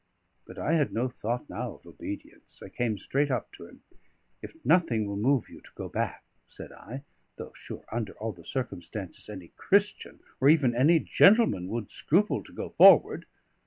But I had no thought now of obedience; I came straight up to him. "If nothing will move you to go back," said I; "though, sure, under all the circumstances, any Christian, or even any gentleman, would scruple to go forward...."